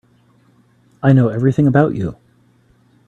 I know everything about you.